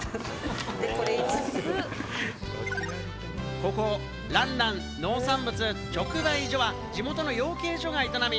ここ、らんらん農産物直売所は地元の養鶏場が営み、